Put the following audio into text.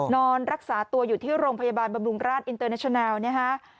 นอนรักษาตัวอยู่ที่โรงพยาบาลบำรุงราชอินเตอร์เนชนาลนะฮะ